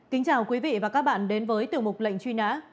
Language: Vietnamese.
kính chào quý vị và các bạn đến với tiểu mục lệnh truy nã